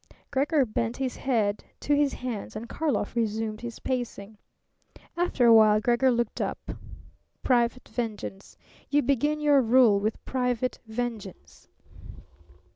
Gregor bent his head to his hands and Karlov resumed his pacing. After a while Gregor looked up. "Private vengeance. You begin your rule with private vengeance."